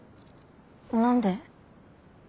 何で？